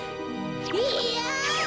いや！